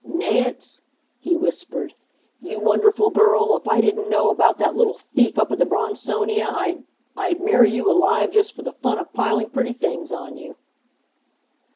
"Nance," he whispered, "you wonderful girl, if I didn't know about that little thief up at the Bronsonia I'd I'd marry you alive, just for the fun of piling pretty things on you."